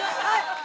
はい！